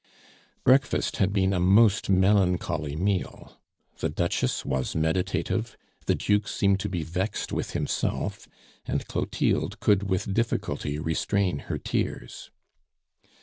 Breakfast had been a most melancholy meal. The Duchess was meditative, the Duke seemed to be vexed with himself, and Clotilde could with difficulty restrain her tears.